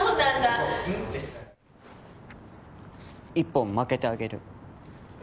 １本まけてあげる。